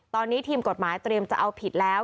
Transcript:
ตอนนี้ทีมกฎหมายเตรียมจะเอาผิดแล้ว